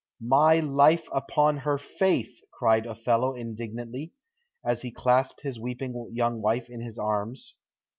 "My life upon her faith!" cried Othello indignantly, as he clasped his weeping young wife in his arms.